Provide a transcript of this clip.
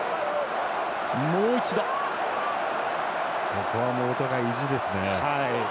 ここはお互い意地ですね。